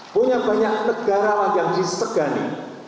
punya banyak negarawan yang disegani